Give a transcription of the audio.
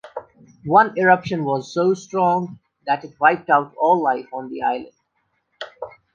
One eruption was so strong that it wiped out all life on the island.